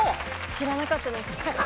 知らなかったです。